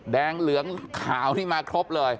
เหลืองขาวนี่มาครบเลย